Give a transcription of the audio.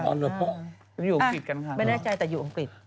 หรืออยู่อังกฤษกันค่ะไม่แน่ใจแต่อยู่อังกฤษ